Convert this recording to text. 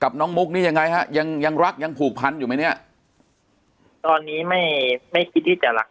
น้องมุกนี่ยังไงฮะยังยังรักยังผูกพันอยู่ไหมเนี่ยตอนนี้ไม่ไม่คิดที่จะรัก